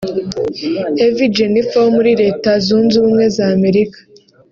Ev Jennifer wo muri Leta Zunze Ubumwe za Amerika